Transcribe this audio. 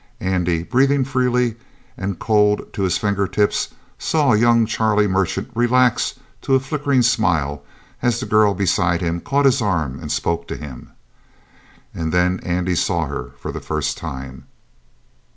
Andy, breathing freely and cold to his finger tips, saw young Charlie Merchant relax to a flickering smile as the girl beside him caught his arm and spoke to him. And then Andy saw her for the first time.